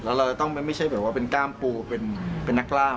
แล้วเราจะต้องไม่ใช่แบบว่าเป็นกล้ามปูเป็นนักล่าม